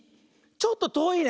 ちょっととおいね。